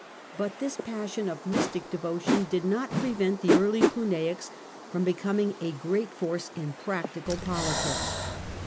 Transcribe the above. But this passion of mystic devotion did not prevent the early Cluniacs from becoming a great force in practical politics.